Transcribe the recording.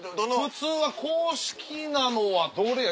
普通は公式なのはどれや？